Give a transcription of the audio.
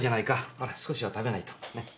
ほら少しは食べないと。ね？